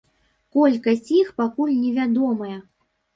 Колькасць іх пакуль невядомая.